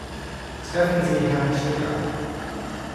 Treffen Sie Herrn Chirac.